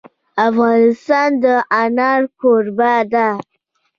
افغانستان د انار کوربه دی.